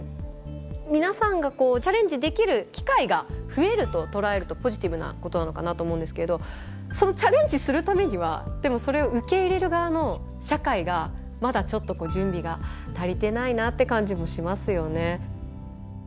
皆さんがチャレンジできる機会が増えると捉えるとポジティブなことなのかなと思うんですけれどそのチャレンジするためにはでもそれを受け入れる側の社会がまだちょっと準備が足りてないなって感じもしますよね。